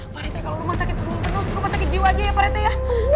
pak retek kalo rumah sakit tuh belum penuh suruh pasang ke jiwaja ya pak retek ya